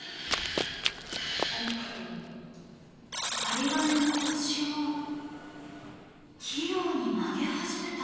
針金の端を器用に曲げ始めた。